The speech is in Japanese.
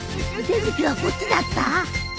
・出口はこっちだった？